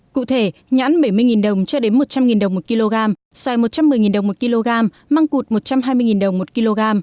cụ thể nhãn bảy mươi đồng cho đến một trăm linh đồng một kg xoài một trăm một mươi đồng một kg măng cụt một trăm hai mươi đồng một kg